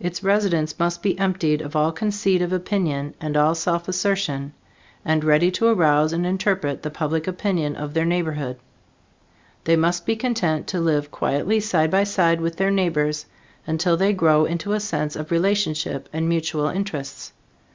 Its residents must be emptied of all conceit of opinion and all self assertion, and ready to arouse and interpret the public opinion of their neighborhood. They must be content to live quietly side by side with their neighbors, until they grow into a sense of relationship and mutual interests.